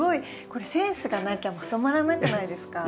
これセンスがなきゃまとまらなくないですか？